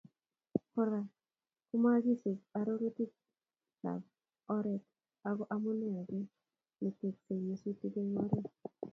Kora ko mokisub arorutikab oret ko amune age ne tesei nyasutik eng oret